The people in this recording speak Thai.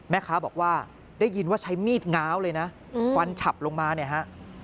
แม่ค้าบอกว่าได้ยินว่าใช้มีดง้าวเลยนะฟันฉับลงมาเนี่ยฮะ